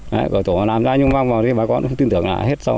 đấy cửa tổ làm ra nhưng mang vào thì bà con tin tưởng là hết rau